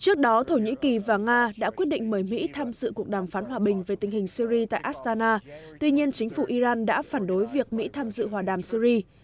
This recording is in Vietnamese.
trước đó thổ nhĩ kỳ và nga đã quyết định mời mỹ tham dự cuộc đàm phán hòa bình về tình hình syri tại astana tuy nhiên chính phủ iran đã phản đối việc mỹ tham dự hòa đàm syri